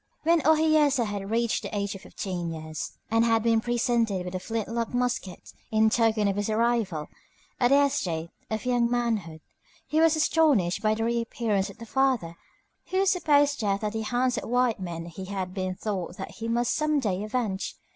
When Ohiyesa had reached the age of fifteen years, and had been presented with a flint lock musket in token of his arrival at the estate of young manhood, he was astonished by the reappearance of the father whose supposed death at the hands of white men he had been taught that he must some day avenge.